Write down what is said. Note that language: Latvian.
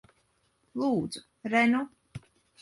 Lūdzu. Re nu.